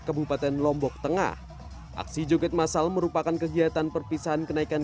kabupaten lombok tengah aksi joget masal merupakan kegiatan perpisahan kenaikan